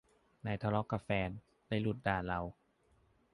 นายทะเลาะกับแฟน เลยหลุดด่าเรา